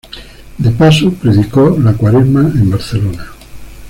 De paso, predicó la cuaresma en Barcelona.